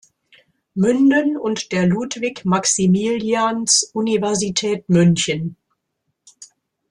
Münden und der Ludwig-Maximilians-Universität München.